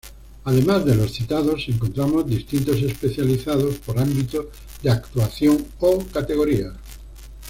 Además de los citados, encontramos distintos especializados por ámbitos de actuación o categorías.